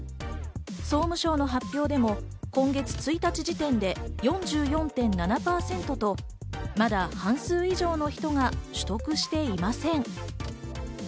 総務省の発表でも今月１日時点で４４．７％とまだ半数以上の人が取得していません。